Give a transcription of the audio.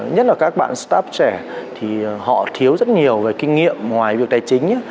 nhất là các bạn staff trẻ thì họ thiếu rất nhiều về kinh nghiệm ngoài việc tài chính